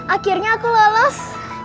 akhirnya aku lolos